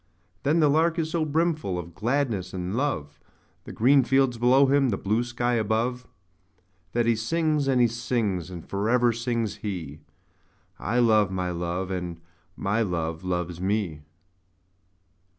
But the Lark is so brimful of gladness and love, The green fields below him, the blue sky above, That he sings, and he sings; and for ever sings he 'I love my Love, and my Love loves me!'